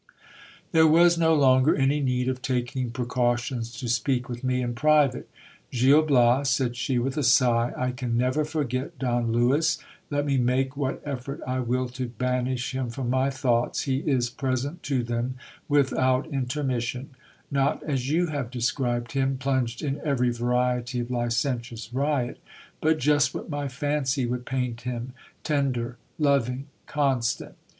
There was no longer any need of taking precautions to speak with me in private. Gil Bias, said she with a sigh, I can never forget Don Lewis. Let me make what effort I will to banish him from my thoughts, he is present to them without intermission, not as you have described him, plunged in every variety of licentious riot, but just what my fancy would paint him — tender, loving, constant.